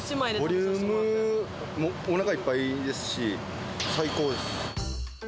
ボリュームも、おなかいっぱいですし、最高です。